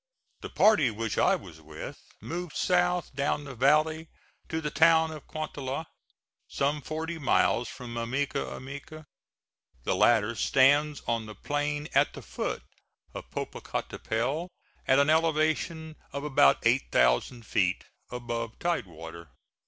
The party which I was with moved south down the valley to the town of Cuantla, some forty miles from Ameca Ameca. The latter stands on the plain at the foot of Popocatapetl, at an elevation of about eight thousand feet above tide water.